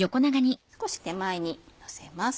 少し手前にのせます。